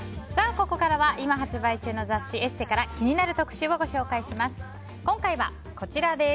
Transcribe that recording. ここからは今発売中の雑誌「ＥＳＳＥ」から気になる特集をご紹介します。